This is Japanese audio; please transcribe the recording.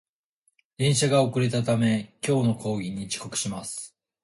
電車が遅れたため、今日の講義に遅刻します